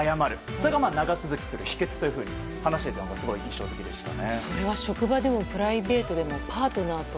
それが長続きする秘訣というふうに話していたのが印象的でした。